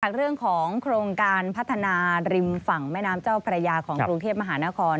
เรื่องของโครงการพัฒนาริมฝั่งแม่น้ำเจ้าพระยาของกรุงเทพมหานคร